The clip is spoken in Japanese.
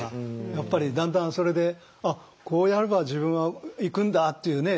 やっぱりだんだんそれであっこうやれば自分はいくんだっていうね